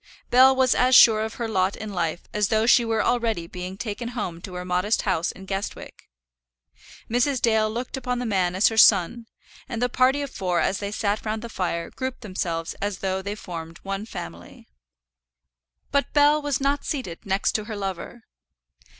Bell was as sure of her lot in life as though she were already being taken home to her modest house in Guestwick. Mrs. Dale already looked upon the man as her son, and the party of four as they sat round the fire grouped themselves as though they already formed one family. But Bell was not seated next to her lover.